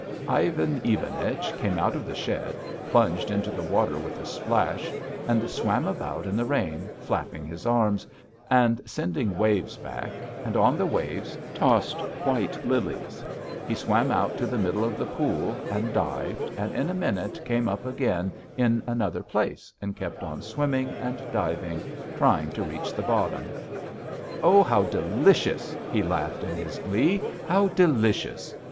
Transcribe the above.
Ivan Ivanich came out of the shed, plunged into the water with a splash, and swam about in the rain, flapping his arms, and sending waves back, and on the waves tossed white lilies; he swam out to the middle of the pool and dived, and in a minute came up again in another place and kept on swimming and diving, trying to reach the bottom. "Ah! how delicious!" he shouted in his glee. "How delicious!"